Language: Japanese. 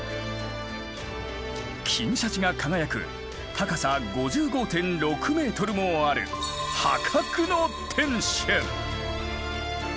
金シャチが輝く高さ５５．６ｍもある破格の天守。